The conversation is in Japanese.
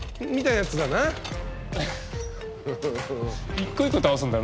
一個一個倒すんだろ